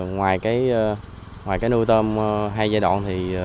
ngoài nuôi tôm hai giai đoạn